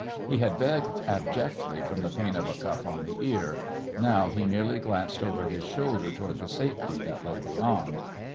He had begged abjectly from the pain of a cuff on the ear; now he merely glanced over his shoulder toward the safety that lay beyond.